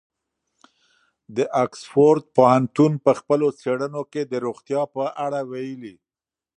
د اکسفورډ پوهنتون په خپلو څېړنو کې د روغتیا په اړه ویلي.